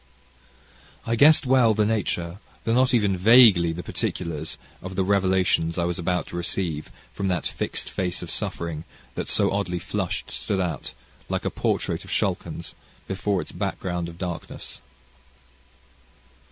I guessed well the nature, though not even vaguely the particulars of the revelations I was about to receive, from that fixed face of suffering that so oddly flushed stood out, like a portrait of Schalken's, before its background of darkness.